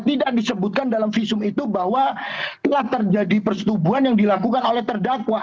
tidak disebutkan dalam visum itu bahwa telah terjadi persetubuhan yang dilakukan oleh terdakwa